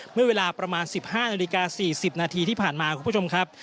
เมื่อเวลาประมาณ๑๕นาฬิกา๔๐นาทีที่ผ่านมาคุณผู้ชมครับ